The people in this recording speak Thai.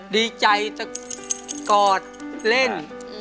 ดีใจจะกอดเล่น